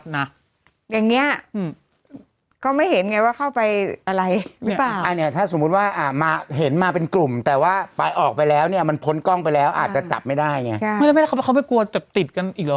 กลัวจะติดกันอีกหรอหรือว่าเขาติดแล้วก็เลยไม่ติดแล้วไง